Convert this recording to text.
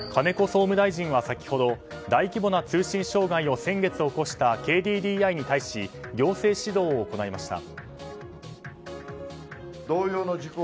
総務大臣は先ほど大規模な通信障害を先月起こしたＫＤＤＩに対し行政指導を行いました。